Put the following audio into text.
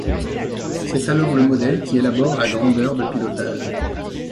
C'est alors le modèle qui élabore la grandeur de pilotage.